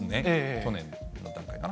去年の段階かな。